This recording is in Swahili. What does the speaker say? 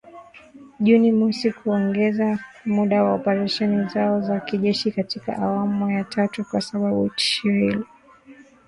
Juni mosi kuongeza muda wa operesheni zao za kijeshi katika awamu ya tatu, kwa sababu tishio hilo halijatokomezwa